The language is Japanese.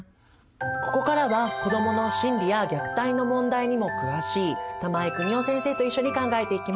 ここからは子どもの心理や虐待の問題にも詳しい玉井邦夫先生と一緒に考えていきます。